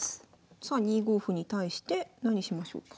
さあ２五歩に対して何しましょうか。